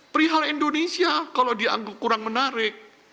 perihal indonesia kalau dianggap kurang menarik